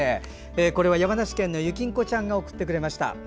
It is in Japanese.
山梨県のゆきんこちゃんが送ってくれました。